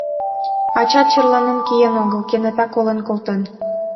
«Ачат черланен киен огыл, кенета колен колтен.